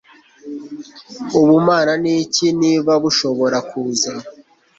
ubumana ni iki niba bushobora kuza